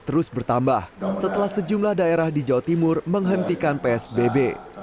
terus bertambah setelah sejumlah daerah di jawa timur menghentikan psbb